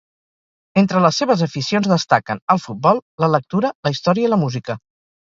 Entre les seves aficions destaquen: el futbol, la lectura, la història i la música.